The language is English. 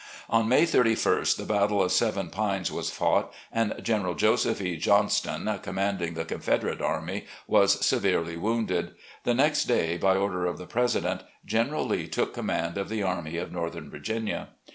On May 31st, the battle of Seven Pines was fought, and General Joseph E. Johnston, commanding the Con federate Army, was severely wounded. The next day, by order of the President, General Lee took command of the Army of Northern Virginia.